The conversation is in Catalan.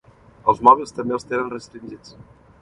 Els mòbils també els tenen restringits.